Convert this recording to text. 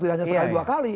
tidak hanya sekali dua kali